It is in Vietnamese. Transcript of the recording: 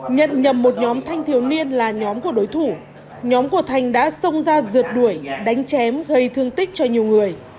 nhận nhầm một nhóm thanh thiếu niên là nhóm của đối thủ nhóm của thành đã xông ra rượt đuổi đánh chém gây thương tích cho nhiều người